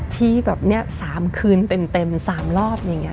ที่แบบนี้๓คืนเต็ม๓รอบอย่างนี้